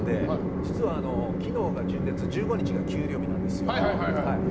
実は昨日が純烈、１５日が給料日なんです。